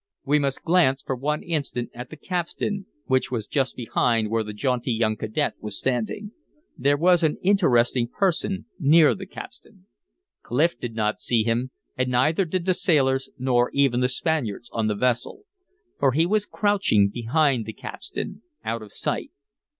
We must glance for one instant at the capstan, which was just behind where the jaunty young cadet was standing. There was an interesting person near the capstan. Clif did not see him; and neither did the sailors, nor even the Spaniards on the vessel. For he was crouching behind the capstan, out of sight.